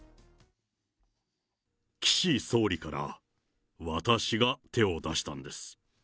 岸総理から私が手を出したんです。